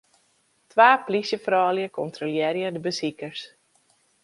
Twa plysjefroulju kontrolearje de besikers.